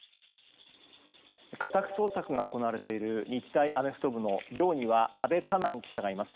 家宅捜索が行われている日大アメフト部の寮には阿部佳南記者がいます。